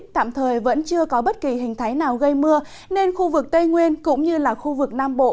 tạm thời vẫn chưa có bất kỳ hình thái nào gây mưa nên khu vực tây nguyên cũng như là khu vực nam bộ